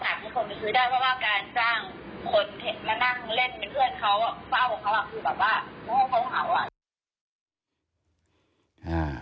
เพราะว่าการสั่งคนเหร่นนั่งเล่นเพื่อนเขา